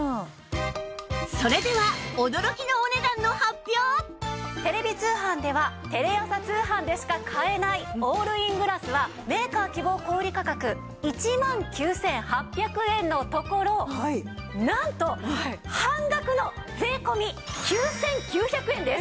それではテレビ通販ではテレ朝通販でしか買えないオールイングラスはメーカー希望小売価格１万９８００円のところなんと半額の税込９９００円です！